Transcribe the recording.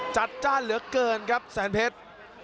จ้านเหลือเกินครับแสนเพชร